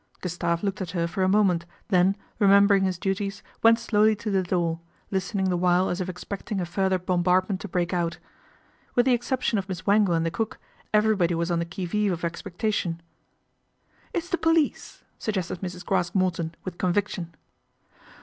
Gustave looked at her for a moment then, remembering his duties, went slowly to the door, listening the while as if expecting a further bom bardment to break out. With the exception of Miss Wangle and the cook, everybody was on the qui vive of expectation. " It's the police," suggested Mrs. Craske Morton, with conviction.